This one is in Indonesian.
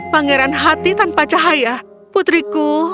pangeran hati tanpa cahaya putriku